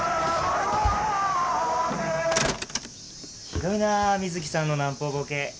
ひどいな水木さんの南方ボケ。